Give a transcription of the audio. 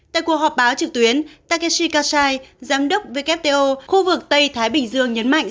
tại cuộc họp báo trực tuyến takeshi kasai giám đốc wto khu vực tây thái bình dương nhấn mạnh